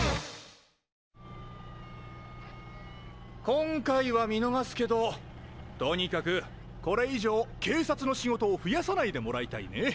今回は見逃すけどとにかくこれ以上警察の仕事を増やさないでもらいたいね。